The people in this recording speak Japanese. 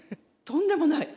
とんでもない。